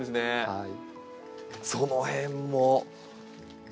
はい。